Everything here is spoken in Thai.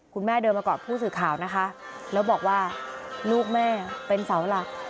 คุณแม่เดินมากอดผู้สื่อข่าวนะคะแล้วบอกว่าลูกแม่เป็นเสาหลัก